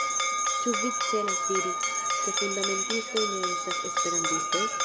Ĉu vi celas diri, ke fundamentistoj ne estas Esperantistoj?